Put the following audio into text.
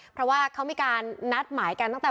เพราะว่าเขามีการนัดหมายกันตั้งแต่